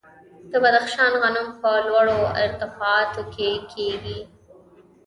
د بدخشان غنم په لوړو ارتفاعاتو کې کیږي.